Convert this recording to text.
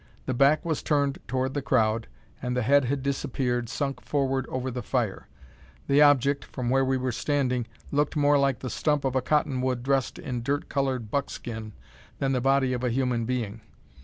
The back was turned toward the crowd, and the head had disappeared, sunk forward over the fire. The object, from where we were standing, looked more like the stump of a cotton wood, dressed in dirt coloured buckskin, than the body of a human being.